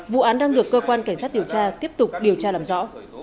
vụ án đang được cơ quan cảnh sát điều tra tiếp tục điều tra làm rõ